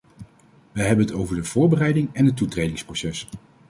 Wij hebben het over de voorbereiding en het toetredingsproces.